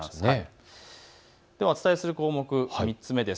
お伝えする項目、３つ目です。